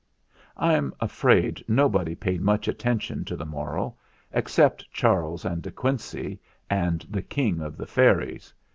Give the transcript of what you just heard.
I'm afraid nobody paid much attention to the Moral, except Charles and De Quincey and the King of the Fairies.